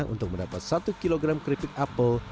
untuk mendapat satu kg keripik apel